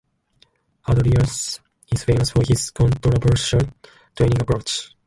Adriaanse is famous for his controversial training approach.